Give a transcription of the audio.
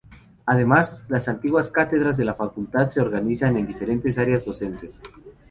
Además, las antiguas cátedras de la Facultad se organizan en diferentes áreas docentes.